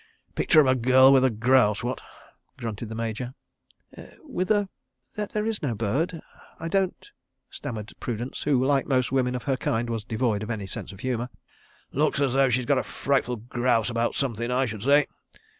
"Picture of a Girl with Grouse, what?" grunted the Major. "With a ...? There is no bird? I don't ...?" stammered Prudence who, like most women of her kind, was devoid of any sense of humour. "Looks as though she's got a frightful grouse about somethin', I should say.